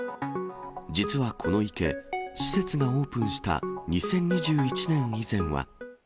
実はこの池、施設がオープンした２０２１年以前は。